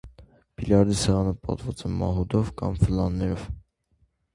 Բիլիարդի սեղանը պատված է մահուդով կամ ֆլանելով։